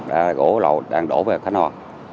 đã gỗ lậu đang đổ về khánh hòa